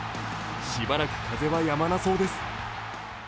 しばらく風はやまなそうです。